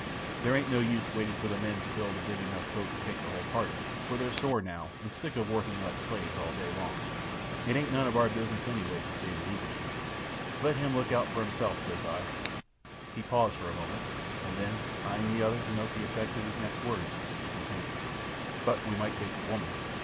There ain't no use waiting for the men to build a big enough boat to take the whole party, for they're sore now and sick of working like slaves all day long. It ain't none of our business anyway to save the Englishman. Let him look out for himself, says I." He paused for a moment, and then eyeing the other to note the effect of his next words, he continued, "But we might take the woman.